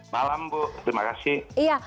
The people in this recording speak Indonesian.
malam bu terima kasih